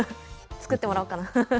作ってもらおうかな。